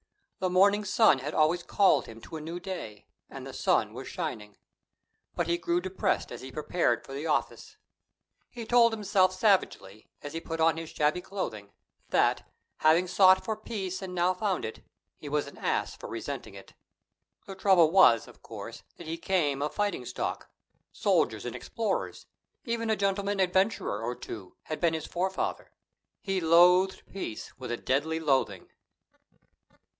The morning sun had always called him to a new day, and the sun was shining. But he grew depressed as he prepared for the office. He told himself savagely, as he put on his shabby clothing, that, having sought for peace and now found it, he was an ass for resenting it. The trouble was, of course, that he came of fighting stock: soldiers and explorers, even a gentleman adventurer or two, had been his forefather. He loathed peace with a deadly loathing.